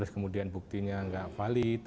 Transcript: kemudian buktinya tidak valid